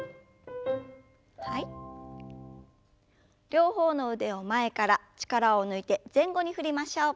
両方の腕を前から力を抜いて前後に振りましょう。